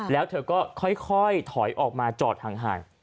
แล้วเธอก็ค่อยถอยออกมาจอดห่าง